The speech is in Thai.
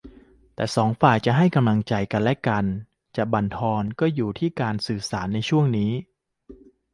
แต่สองฝ่ายจะให้กำลังใจกันหรือจะบั่นทอนก็อยู่ที่การสื่อสารในช่วงนี้